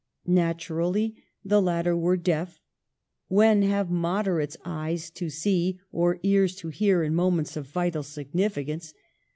Naturally, the latter were deaf (when have Moderates eyes to see or ears to hear in moments of vital significance?)